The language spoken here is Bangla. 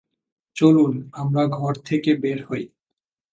চলুন, আমরা ঘর থেকে বের হই।